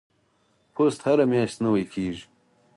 پوست هره میاشت نوي کیږي.